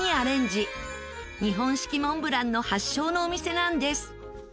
日本式モンブランの発祥のお店なんです。